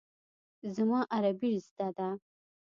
زما عربي زده ده.